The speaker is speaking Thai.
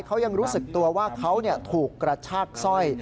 เขายังรู้สึกตัวว่าเขาถูกกระชากสร้อย